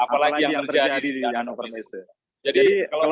apalagi yang terjadi di januari